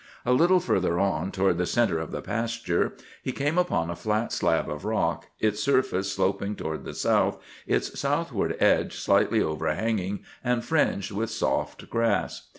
A little further on, toward the centre of the pasture, he came upon a flat slab of rock, its surface sloping toward the south, its southward edge slightly overhanging and fringed with soft grass.